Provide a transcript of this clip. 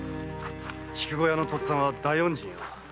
筑後屋の父っつぁんは大恩人よ。